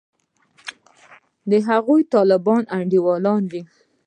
د هغوی طالب انډېوالان دي.